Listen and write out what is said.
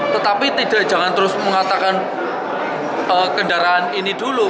tetapi jangan terus mengatakan kendaraan ini dulu